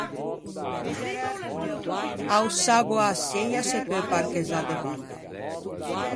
A-o sabbo a-a seia se peu parchezzâ de badda.